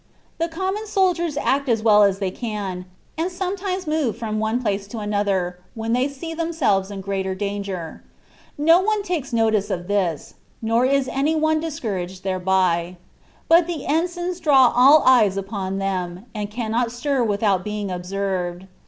The common soldiers act as well as they can, and sometimes move from one place to another, when they see themselves in greater danger : no one takes notice of this, nor is any one discouraged thereby : but the ensigns draw all eyes upon them, and cannot stir without being observed.